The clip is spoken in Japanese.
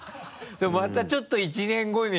でもまたちょっと１年後に。